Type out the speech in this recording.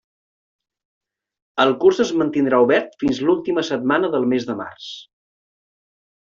El curs es mantindrà obert fins a l'última setmana del mes de març.